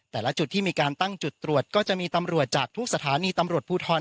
แต่ละจุดที่มีการตั้งจุดตรวจก็จะมีตำรวจจากทุกสถานีตำรวจภูทร